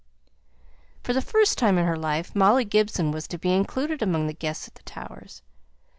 For the first time in her life, Molly Gibson was to be included among the guests at the Towers.